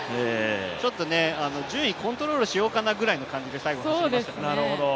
ちょっと順位コントロールしようかなぐらいの感じで最後、走りましたからね。